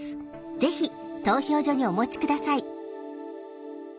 ぜひ投票所にお持ち下さい。